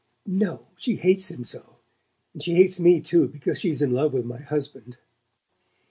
"No: she hates him so. And she hates me too, because she's in love with my husband."